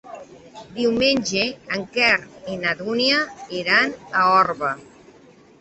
Diumenge en Quer i na Dúnia iran a Orba.